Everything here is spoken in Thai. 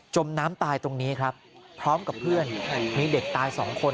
มน้ำตายตรงนี้ครับพร้อมกับเพื่อนมีเด็กตายสองคน